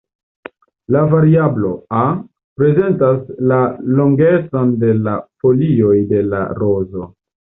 La variablo "a" prezentas la longecon de la folioj de la rozo.